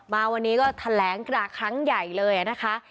มาวันนี้ก็แถลงกระครั้งใหญ่เลยนะคะ